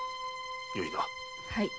よいな。